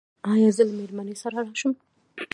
ایا زه له میرمنې سره راشم؟